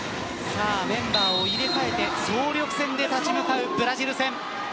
メンバーを入れ替えて総力戦で立ち向かうブラジル戦。